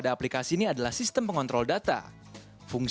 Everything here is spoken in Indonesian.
dan aplikasi yang menggunakan data anda